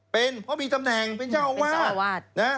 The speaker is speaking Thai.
เป็นเพราะมีตำแหน่งเป็นเจ้าอาวาทเป็นเจ้าอาวาท